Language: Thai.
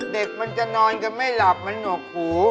เด็กมันจะนอนกันไม่หลับมันหนวกหู